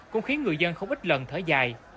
cũng khiến người dân không ít lần thở dài